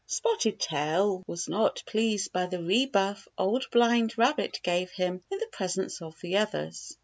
Spotted Tail was not pleased by the rebuff the Old Blind Rabbit gave him in the presence of the others.